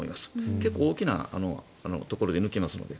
結構大きなところで抜きますので。